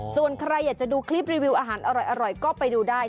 ส่วนใครอยากจะดูคลิปรีวิวอาหารอร่อยก็ไปดูได้